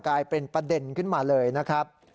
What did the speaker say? กลายเป็นประเด็นขึ้นมาเลยนะครับ